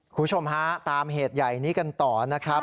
คุณผู้ชมฮะตามเหตุใหญ่นี้กันต่อนะครับ